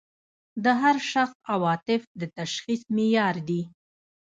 د هر شخص عواطف د تشخیص معیار دي.